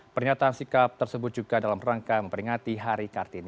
pernyataan sikap tersebut juga dalam rangka memperingati hari kartini